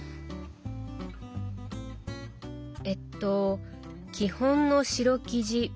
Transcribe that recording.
えっと「基本の白生地ビゴリ用」？